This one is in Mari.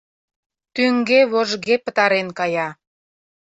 Тӱҥге-вожге пытарен кая.